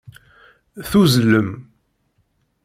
Tuzzlem.